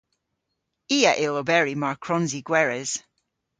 I a yll oberi mar kwrons i gweres.